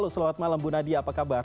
selamat malam bu nadia apa kabar